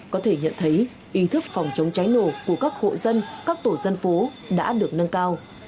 có thể nhận thấy ý thức phòng chống cháy nổ của các hộ dân các tổ dân phố đã được nâng cao